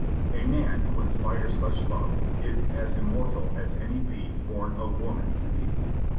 A man who inspires such love is as immortal as any being born of woman can be.